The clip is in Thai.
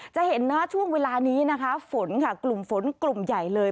จะเห็นนะช่วงเวลานี้นะคะฝนค่ะกลุ่มฝนกลุ่มใหญ่เลย